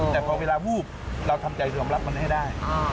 แต่พอเวลาวูบเราทำใจยอมรับมันให้ได้